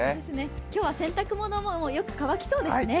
今日は洗濯物もよく乾きそうですね。